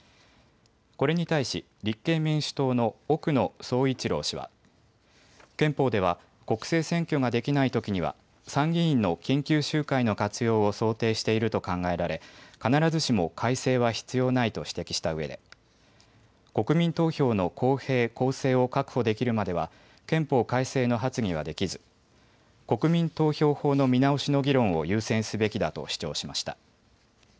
これに対し立憲民主党の奥野総一郎氏は憲法では国政選挙ができないときには参議院の緊急集会の活用を想定していると考えられ必ずしも改正は必要ないと指摘したうえで国民投票の公平・公正を確保できるまでは憲法改正の発議はできず国民投票法の見直しの議論を優先すべきだと主張しました。